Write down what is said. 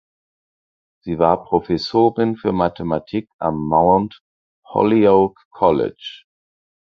Sie war Professorin für Mathematik am Mount Holyoke College.